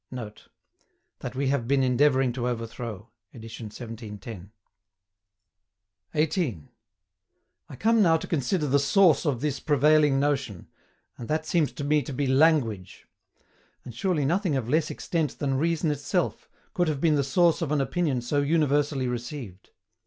[Note: "That we have been endeavouring to overthrow." Edit 1710.] 18. I come now to consider the SOURCE OF THIS PREVAILING NOTION, and that seems to me to be LANGUAGE. And surely nothing of less extent than reason itself could have been the source of an opinion so universally received.